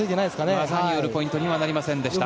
技によるポイントにはなりませんでした。